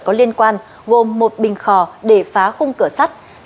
có liên quan gồm một bình khò để phá khung cửa sắt